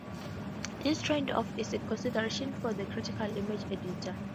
This trade-off is a consideration for the critical image editor.